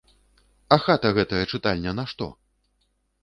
А хата гэтая чытальня нашто?!